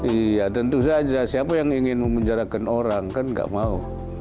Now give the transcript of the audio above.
iya tentu saja siapa yang ingin memenjarakan orang kan gak mau